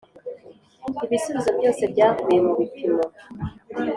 ibisubizo byose byavuye mu bipimo